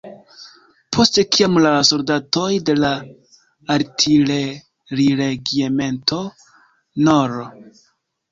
Post kiam la soldatoj de la Artileriregiemento nr.